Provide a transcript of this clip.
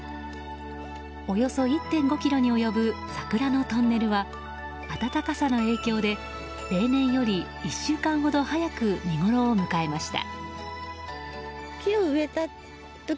およそ１．５ｋｍに及ぶ桜のトンネルは暖かさの影響で例年より１週間ほど早く見ごろを迎えました。